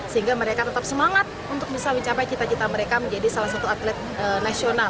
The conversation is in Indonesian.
sehingga mereka tetap semangat untuk bisa mencapai cita cita mereka menjadi salah satu atlet nasional